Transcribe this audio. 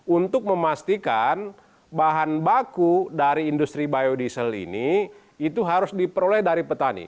untuk memastikan bahan baku dari industri biodiesel ini itu harus diperoleh dari petani